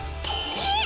えっ！